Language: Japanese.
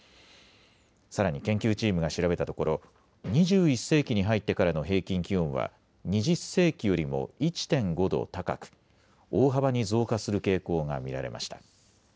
さらに研究チームが調べたところ、２１世紀に入ってからの平均気温は２０世紀よりも１．５度高く、大幅に増加する傾向が見られました。